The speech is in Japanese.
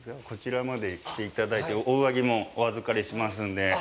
こちらまで来ていただいてお上着もお預かりしますんで。